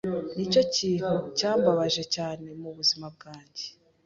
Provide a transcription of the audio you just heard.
Nicyo kintu cyambabaje cyane mubuzima bwanjye.